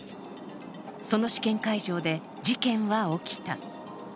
その試験会場で事件は起きた。